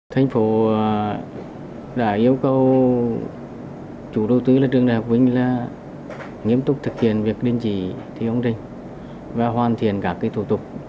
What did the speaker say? thành phố đã yêu cầu